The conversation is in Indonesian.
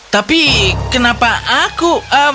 tapi kenapa aku